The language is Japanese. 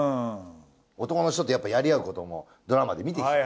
男の人とやっぱりやりあうこともドラマで見てきてる。